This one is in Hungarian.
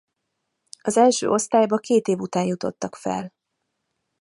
Az első osztályba két év után jutottak fel.